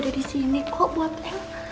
udah di sini kok buatnya